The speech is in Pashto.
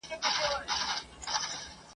دلته سرتورو په ښراکلونه وپېیله ..